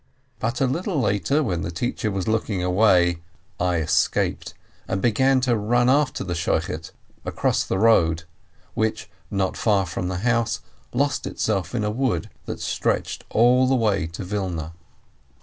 But a little later, when the teacher was looking away, I escaped and began to run after the Shochet across the road, which, not far from the house, lost itself in a wood that stretched all the way to Wilna.